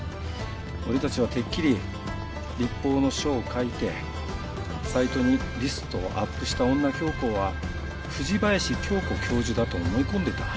俺たちはてっきり律法の書を書いてサイトにリストをアップした女教皇は藤林経子教授だと思い込んでいた。